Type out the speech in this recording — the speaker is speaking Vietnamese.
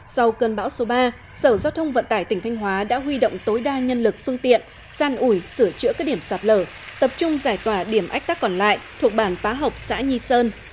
sau cơn bão số ba sở giao thông vận tải tỉnh thanh hóa đã huy động tối đa nhân lực phương tiện san ủi sửa chữa các điểm sạt lở tập trung giải tỏa điểm ách tắc còn lại thuộc bản pá hộc xã nhi sơn